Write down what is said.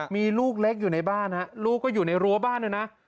มีลูกเล็กอยู่ในบ้านฮะลูกก็อยู่ในรั้วบ้านด้วยนะ